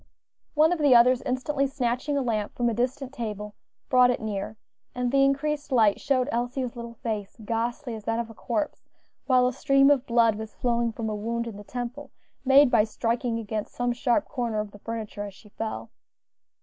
One of the others, instantly snatching a lamp from a distant table, brought it near, and the increased light showed Elsie's little face, ghastly as that of a corpse, while a stream of blood was flowing from a wound in the temple, made by striking against some sharp corner of the furniture as she fell.